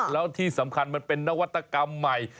แล้วที่สำคัญมันเป็นนวัตกรรมใหม่